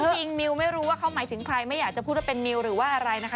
จริงมิวไม่รู้ว่าเขาหมายถึงใครไม่อยากจะพูดว่าเป็นมิวหรือว่าอะไรนะคะ